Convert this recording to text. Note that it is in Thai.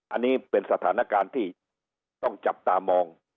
อันนี้เป็นสถานการณ์ที่ต้องจับตามอง